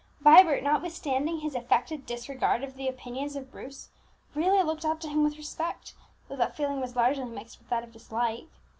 Vibert, notwithstanding his affected disregard of the opinions of Bruce, really looked up to him with respect, though that feeling was largely mixed with that of dislike.